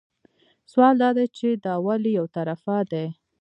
سوال دا دی چې دا ولې یو طرفه دي.